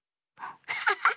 アハハハ。